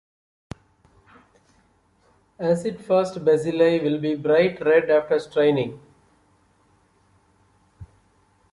Acid-fast bacilli will be bright red after staining.